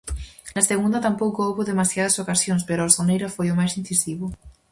Na segunda tampouco houbo demasiadas ocasións pero o Soneira foi o máis incisivo.